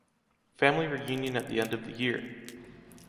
Family reunion at the end of the year